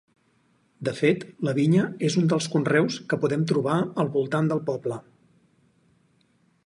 De fet, la vinya és un dels conreus que podem trobar al voltant de poble.